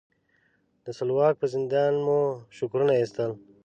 د سلواک په زندان مو شکرونه ایستل.